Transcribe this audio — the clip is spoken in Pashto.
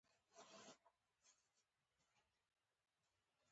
ځینې خبرې زر هیرېږي، ځینې تل پاتې کېږي.